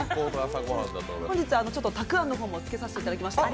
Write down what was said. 本日、たくあんもつけさせていただきました。